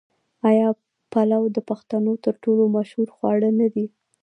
آیا پلو د پښتنو تر ټولو مشهور خواړه نه دي؟